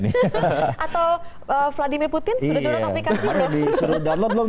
atau vladimir putin sudah download aplikasi